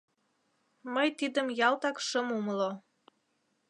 Мый тидым ялтак шым умыло.